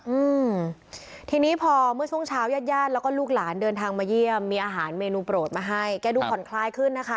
อืมทีนี้พอเมื่อช่วงเช้าญาติญาติแล้วก็ลูกหลานเดินทางมาเยี่ยมมีอาหารเมนูโปรดมาให้แกดูผ่อนคลายขึ้นนะคะ